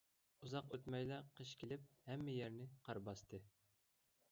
ئۇزاق ئۆتمەيلا قىش كېلىپ، ھەممە يەرنى قار باستى.